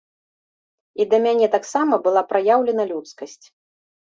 І да мяне таксама была праяўлена людскасць.